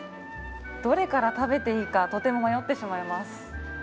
どれから食べていいか、とても迷ってしまいます。